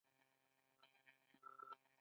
د ژبو تنوع د نړۍ ښکلا ده.